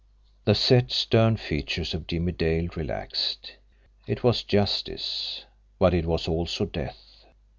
The set, stern features of Jimmie Dale relaxed. It was justice but it was also death.